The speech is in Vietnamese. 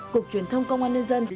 cục truyền thông công an nhân dân